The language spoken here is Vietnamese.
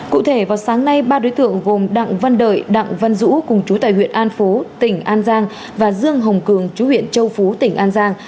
cụ thể vào sáng nay ba đối tượng gồm đặng văn đợi đặng văn dũ cùng chú tại huyện an phú tỉnh an giang và dương hồng cường chú huyện châu phú tỉnh an giang